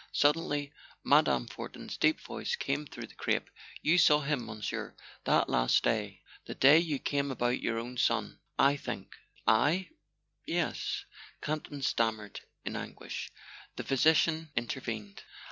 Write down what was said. Suddenly Mme. Fortin's deep voice came through the crape: "You saw him, Monsieur, that last day ... the day you came about your own son, I think?" "I ... yes ..." Campton stammered in anguish. The physician intervened.